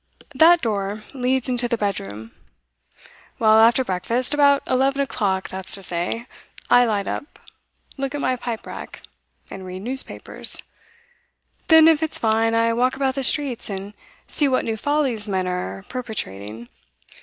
That door leads into the bedroom. Well, after breakfast, about eleven o'clock that's to say, I light up look at my pipe rack and read newspapers. Then, if it's fine, I walk about the streets, and see what new follies men are perpetrating.